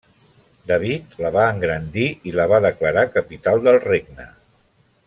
David la va engrandir i la va declarar capital del regne.